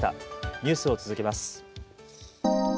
ニュースを続けます。